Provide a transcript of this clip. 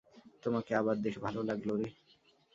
তোমাকে আবার দেখে ভালো রাগলো, রে।